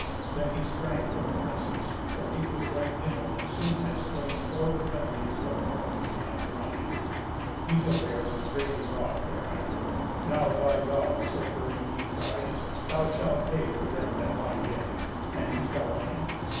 Then he sprang from the princes, for he was right nimble, and soon had slain four Burgundians from Worms beyond the Rhine. Giselher was greatly wroth thereat. "Now by God, Sir Iring," he cried, "thou shalt pay for them that lie dead!" and he fell on him.